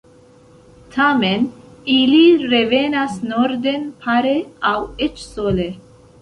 Tamen ili revenas norden pare aŭ eĉ sole.